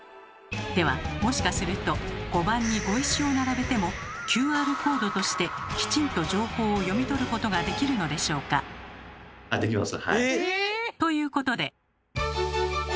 ではもしかすると碁盤に碁石を並べてもＱＲコードとしてきちんと情報を読み取ることができるのでしょうか？ということで。